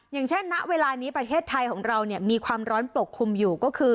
อย่างเช่นณเวลานี้ประเทศไทยของเราเนี่ยมีความร้อนปกคลุมอยู่ก็คือ